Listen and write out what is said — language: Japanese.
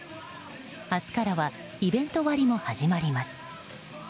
明日からはイベント割も始まります。